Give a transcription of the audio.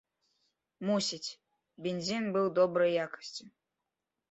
Мусіць, бензін быў добрай якасці.